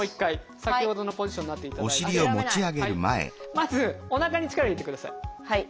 まずおなかに力入れてください。